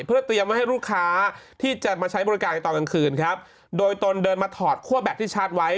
เพื่อเตรียมไว้ให้ลูกค้าที่จะมาใช้บริการตอนกลางคืนครับโดยตนเดินมาถอดคั่วแบตที่ชาร์จไว้